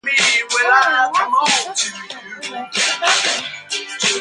Taylor and Watson subsequently left the band.